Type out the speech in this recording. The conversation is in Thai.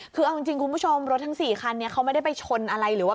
คือเอาจริงคุณผู้ชมรถทั้ง๔คันนี้เขาไม่ได้ไปชนอะไรหรือว่า